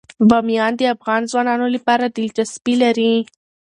بامیان د افغان ځوانانو لپاره دلچسپي لري.